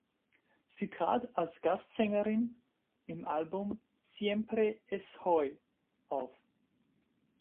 Sie trat als Gastsängerin im Album "Siempre Es Hoy" auf.